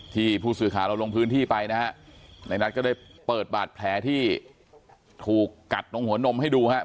ผู้สื่อข่าวเราลงพื้นที่ไปนะฮะในนัทก็ได้เปิดบาดแผลที่ถูกกัดตรงหัวนมให้ดูครับ